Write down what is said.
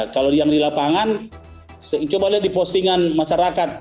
kalau yang di lapangan coba lihat di postingan masyarakat